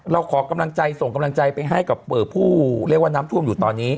ขอกำลังใจส่งกำลังใจไปให้กับผู้เรียกว่าน้ำท่วมอยู่ตอนนี้